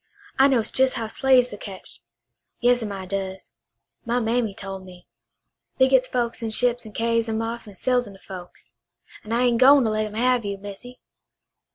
I knows jes' how slaves are ketched. Yas'm, I does. My mammy tole me. They gits folks in ships and carries 'em off an' sells 'em to folks. An' I ain' gwine to let 'em have you, Missy."